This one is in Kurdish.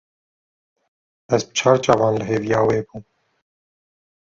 Ez bi çar çavan li hêviya wê bûm.